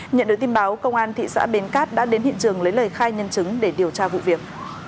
nhận được tin báo công an thị xã bến cát đã đến hiện trường lấy lời khai nhân chứng để điều tra vụ việc